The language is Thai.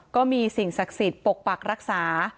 ก็มีสิ่งศักดิ์สิทธิ์ปกปักรักษา